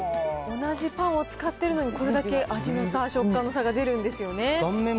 同じパンを使ってるのに、これだけ味の差、食感の差が出るんですよね。